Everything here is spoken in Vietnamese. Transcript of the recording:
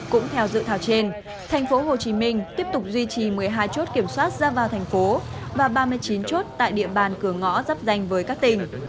cũng theo dự thảo trên thành phố hồ chí minh tiếp tục duy trì một mươi hai chốt kiểm soát ra vào thành phố và ba mươi chín chốt tại địa bàn cửa ngõ dắp danh với các tỉnh